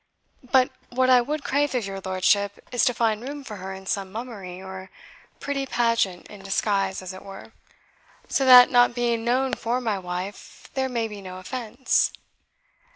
But what I would crave of your lordship is to find room for her in some mummery, or pretty pageant, in disguise, as it were; so that, not being known for my wife, there may be no offence."